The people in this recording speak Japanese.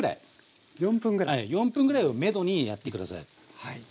４分ぐらいをめどにやって下さい。